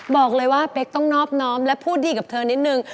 บอกเลยว่าเป๊กต้องนอบน้อมและพูดดีกับเธอนิดนึง